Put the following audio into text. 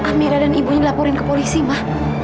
amira dan ibunya dilaporin ke polisi mah